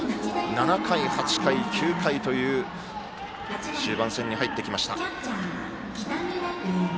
７回、８回、９回という終盤戦に入ってきました。